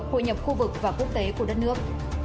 hội nhập khu vực và quốc tế của đất nước